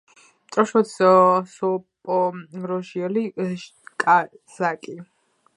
წარმოშობით ზაპოროჟიელი კაზაკი.